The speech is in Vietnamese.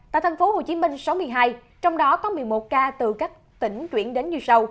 tại thành phố hồ chí minh sáu mươi hai trong đó có một mươi một ca từ các tỉnh chuyển đến như sau